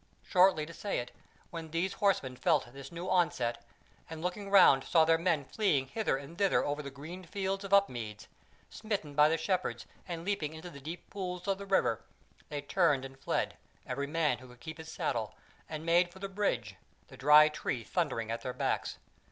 Shortly to say it, when these horsemen felt this new onset, and looking round saw their men fleeing hither and thither over the green fields of Upmeads, smitten by the Shepherds and leaping into the deep pools of the river, they turned and fled, every man who could keep his saddle, and made for the Bridge, the Dry Tree thundering at their backs.